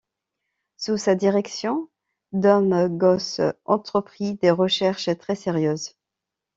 Sous sa direction, Dom Gosse entreprit des recherches très sérieuses.